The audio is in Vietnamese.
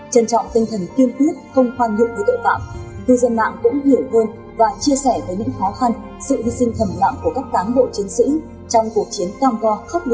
trân trọng tinh thần kiên quyết không hoan nhục với tội phạm tư dân mạng cũng hiểu hơn và chia sẻ với những khó khăn sự hy sinh thầm lạm của các táng bộ chiến sĩ trong cuộc chiến cao co khốc